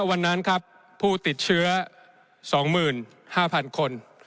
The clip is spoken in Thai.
วันนั้นครับผู้ติดเชื้อ๒๕๐๐๐คน